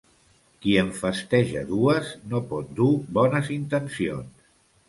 Qui en festeja dues no pot dur bones intencions.